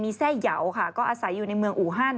แทร่เหยาค่ะก็อาศัยอยู่ในเมืองอูฮัน